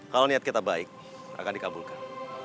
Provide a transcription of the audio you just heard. kalau niat kita baik akan dikabulkan